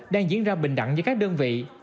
đang diễn ra bình đẳng với các đơn vị